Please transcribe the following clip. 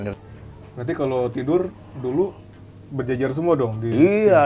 berarti kalau tidur dulu berjajar semua dong di sini